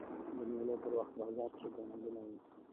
د مېلو پر وخت په بازارو کښي ګڼه ګوڼه يي.